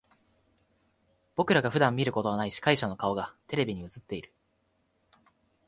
僕らが普段見ることはない司会者の顔がテレビに映っている。